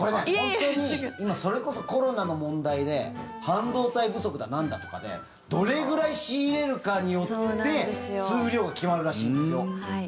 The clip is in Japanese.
本当に今それこそコロナの問題で半導体不足だなんだとかでどれぐらい仕入れるかによって数量が決まるらしいんですよ。